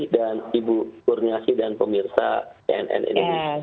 dan ibu kurniasi dan pemirsa tnn indonesia